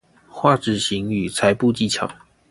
畫紙型與裁布技巧